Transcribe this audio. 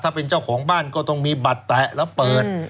ถ้าเป็นเจ้าของบ้านก็ต้องมีบัตรแตะแล้วเปิด